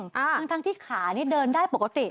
ทั้งที่ขานี่เดินได้ปกติ